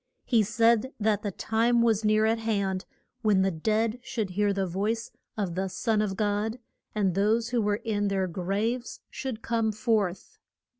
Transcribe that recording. He said that the time was near at hand when the dead should hear the voice of the Son of God, and those who were in their graves should come forth.